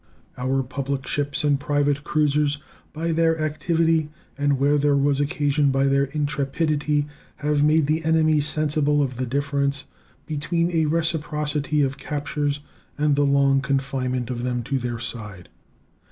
Our public ships and private cruisers, by their activity, and, where there was occasion, by their intrepidity, have made the enemy sensible of the difference between a reciprocity of captures and the long confinement of them to their side.